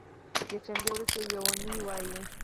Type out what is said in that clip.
یکشنبې ورځې ته یو نۍ وایی